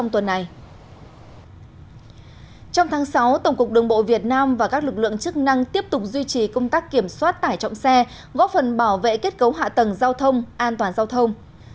trong tháng sáu tổng cục đường bộ việt nam và các lực lượng chức năng tiếp tục duy trì công tác kiểm soát tải trọng xe góp phần bảo vệ kết cấu hạ tầng giao thông an toàn giao thông